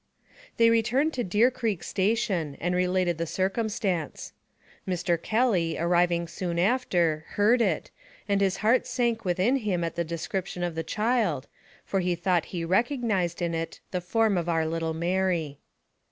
They returned to Deer Creek Station, and related the circumstance. Mr. Kelly, arriving soon after/ heard it, and his heart sank within him at the descrip tion of the child, for he thought he recognized in it the form of our little Mary.